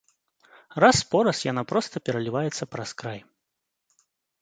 Раз-пораз яна проста пераліваецца праз край.